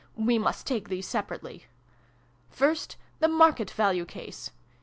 We must take these separately. "First, the 'market value' case.